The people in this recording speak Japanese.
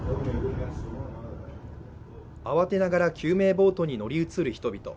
慌てながら救命ボートに乗り移る人々。